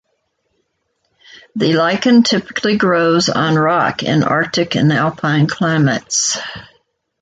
The lichen typically grows on rock in arctic and alpine climates.